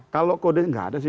kalau kode gak ada sih